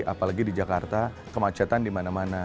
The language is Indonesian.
apalagi di jakarta kemacetan di mana mana